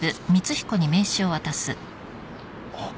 あっ。